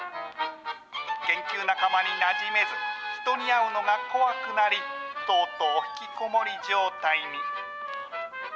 研究仲間になじめず、人に会うのが怖くなり、とうとう引きこもり状態に。